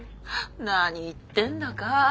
何言ってんだか。